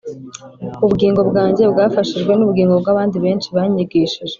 ubugingo bwanjye bwafashijwe n'ubugingo bw'abandi benshi banyigishije.